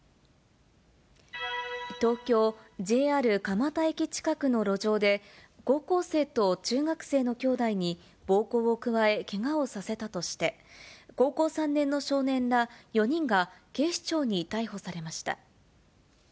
東京・ＪＲ蒲田駅近くの路上で、高校生と中学生の兄弟に暴行を加えけがをさせたとして、高校３年の少年ら４人が警視庁に逮捕されました。